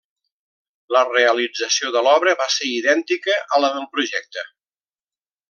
La realització de l'obra va ser idèntica a la del projecte.